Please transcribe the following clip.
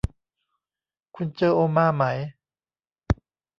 คุณเจอโอมาไหม